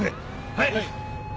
はい！